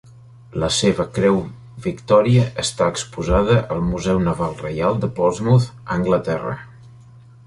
La seva Creu Victòria està exposada al Museu Naval Reial de Portsmouth (Anglaterra).